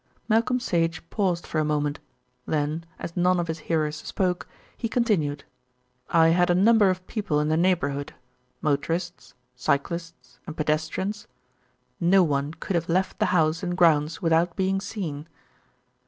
Malcolm Sage paused for a moment; then as none of his hearers spoke he continued: "I had a number of people in the neighbourhood motorists, cyclists, and pedestrians. No one could have left the house and grounds without being seen.